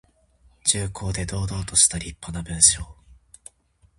重厚で堂々としたりっぱな文章。